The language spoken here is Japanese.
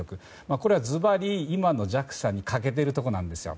これはずばり、今のＪＡＸＡに欠けているところなんですよ。